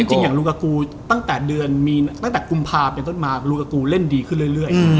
จริงอย่างลูกากูตั้งแต่เดือนมีตั้งแต่กุมภาเป็นต้นมากลูกากูเล่นดีขึ้นเรื่อย